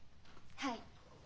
はい。